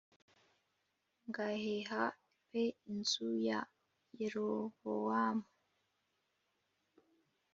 ngaheha pe inzu ya Yerobowamu